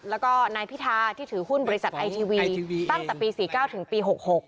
แล้วก็นายพิธาที่ถือหุ้นบริษัทไอทีวีตั้งแต่ปี๔๙ถึงปี๖๖